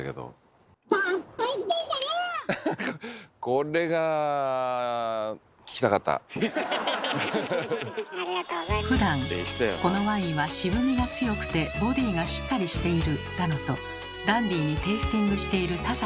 これがふだん「このワインは渋味が強くてボディーがしっかりしている」だのとダンディーにテイスティングしている田崎さん。